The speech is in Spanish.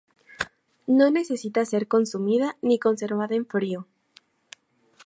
No necesita ser consumida ni conservada en frío.